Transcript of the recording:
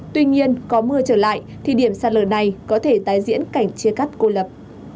tuy nhiên có mưa trở lại thì điểm sạt lở này có thể tái diễn cảnh chia cắt cô lập